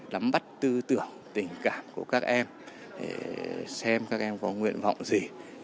đắm bắt tư tưởng tình cảm của các em xem các em có nguyện vọng gì